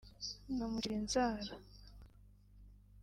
nkamucira inzara